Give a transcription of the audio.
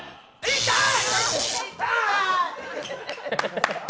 痛い！